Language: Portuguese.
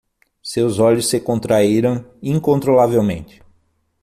Seus olhos se contraíram incontrolavelmente.